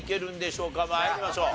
参りましょう。